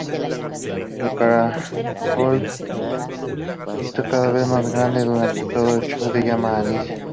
El caracol visto cada vez más grande durante todo el show se llama Alice.